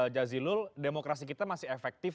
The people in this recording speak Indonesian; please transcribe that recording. jazilul demokrasi kita masih efektif